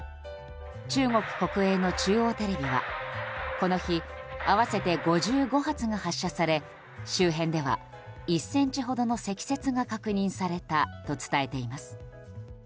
中国国営の中央テレビはこの日、合わせて５５発が発射され、周辺では１ｃｍほどの積雪が確認されたと伝えています。